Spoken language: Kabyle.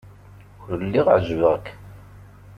Ur lliɣ ɛejbeɣ-ak.